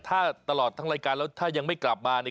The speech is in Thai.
ถ้าตลอดทั้งรายการแล้วถ้ายังไม่กลับมา